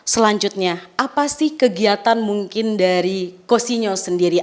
selanjutnya apa sih kegiatan mungkin dari cosinyo sendiri